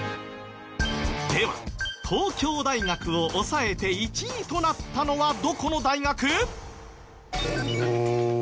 では東京大学を抑えて１位となったのはどこの大学？